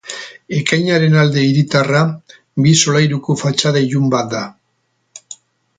Eraikinaren alde hiritarra, bi solairuko fatxada ilun bat da.